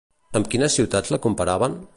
Amb quines ciutats la comparaven?